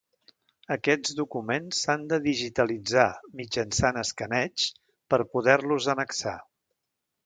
Aquests documents s'han de digitalitzar, mitjançant escaneig, per poder-los annexar.